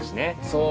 そう。